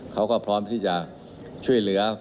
เขาก็พร้อมที่จะช่วยเหลือ